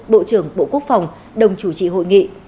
bộ trưởng bộ quốc phòng đồng chủ trì hội nghị